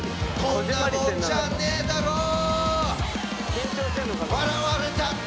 緊張してるのかな？